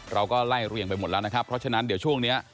เราก็ไล่เรียงไปหมดแล้วนะครับเพราะฉะนั้นเดี๋ยวช่วงนี้